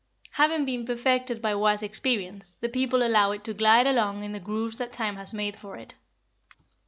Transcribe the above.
Having been perfected by wise experience, the people allow it to glide along in the grooves that time has made for it.